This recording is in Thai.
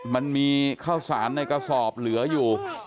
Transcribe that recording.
มันมีข้าวสารในกระสอบเหลืออยู่